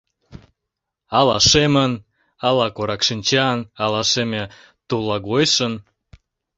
Ала шемын, ала коракшинчан, ала шеме-туллагойшын...